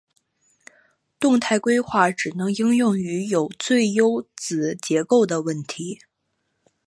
动态规划只能应用于有最优子结构的问题。